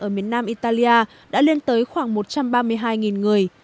ở miền nam italia đã lên tới khoảng một trăm ba mươi hai người